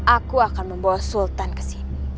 aku akan membawa sultan kesini